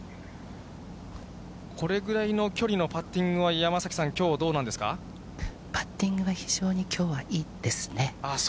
これぐらいの距離のパッティングは、山崎さん、パッティングは非常にきょうそうですか。